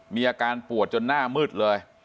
มีอาการปวดจนหน้ามืดเลย